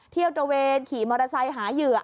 เที่ยวตระเวนขี่มอเตอร์ไซส์หาเหยื่อ